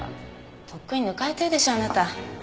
とっくに抜かれてるでしょあなた。